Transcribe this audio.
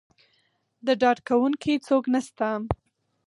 د ډاډکوونکي څوک نه شته.